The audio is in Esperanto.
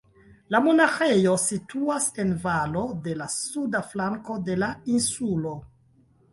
La monaĥejo situas en valo de la suda flanko de la insulo.